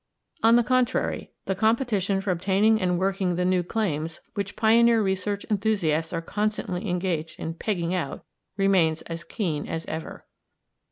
On the contrary, the competition for obtaining and working the new "claims" which pioneer research enthusiasts are constantly engaged in "pegging out" remains as keen as ever.